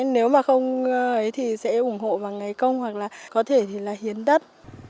nếu mà không thì sẽ ủng hộ bằng ngày công hoặc là có thể thì là hiến đất